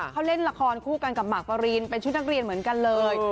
เขาเล่นละครคู่กันกับหมากปรินเป็นชุดนักเรียนเหมือนกันเลย